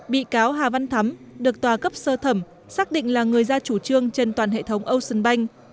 bị cáo hà văn thắm được tòa cấp sơ thẩm xác định là người ra chủ trương trên toàn hệ thống ocean bank